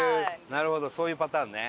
なるほどそういうパターンね。